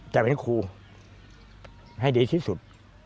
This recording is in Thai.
จะเป็นครูให้ดีที่สุด